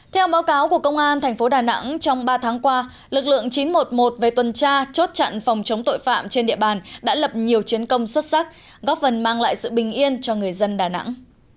theo báo cáo của công an thành phố đà nẵng trong ba tháng qua lực lượng chín trăm một mươi một về tuần tra chốt chặn phòng chống tội phạm trên địa bàn đã lập nhiều chiến công xuất sắc góp phần mang lại sự bình yên cho người dân đà nẵng